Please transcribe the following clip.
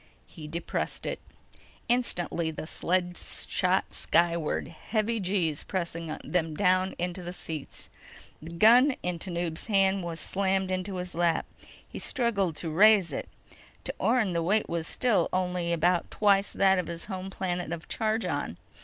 He depressed it. Instantly, the sled shot skyward, heavy G's pressing them down into the seats. The gun in Tanub's hands was slammed into his lap. He struggled to raise it. To Orne, the weight was still only about twice that of his home planet of Chargon.